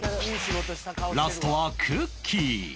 ラストはくっきー！